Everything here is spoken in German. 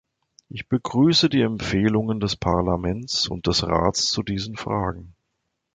Ich begrüße die Empfehlungen des Parlaments und des Rats zu diesen Fragen.